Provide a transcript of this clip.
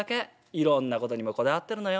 いろんなことにもこだわってるのよ。